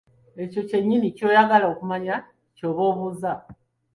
Ekyo kyennyini ky’oyagala okumanya ky’oba obuuza.